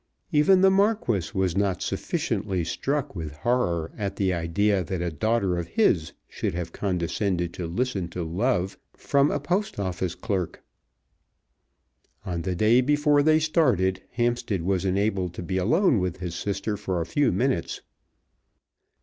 Even the Marquis was not sufficiently struck with horror at the idea that a daughter of his should have condescended to listen to love from a Post Office clerk! On the day before they started Hampstead was enabled to be alone with his sister for a few minutes.